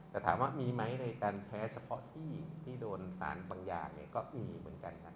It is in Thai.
จะถามว่ามีไหมในการแพ้เฉพาะที่โดนสารบางอย่างเนี่ยก็อื่นอยู่เหมือนกันครับ